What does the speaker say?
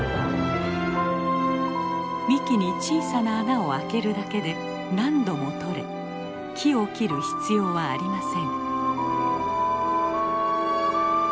幹に小さな穴をあけるだけで何度もとれ木を切る必要はありません。